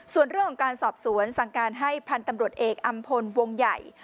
ส่วนเรื่องของการสอบสวนสั่งการให้พันธุ์ตำรวจเอกอำพลวงใหญ่